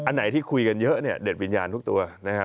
ไหนที่คุยกันเยอะเด็ดวิญญาณทุกตัว